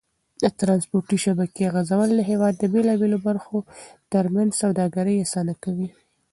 د ترانسپورتي شبکې غځول د هېواد د بېلابېلو برخو تر منځ سوداګري اسانه کوي.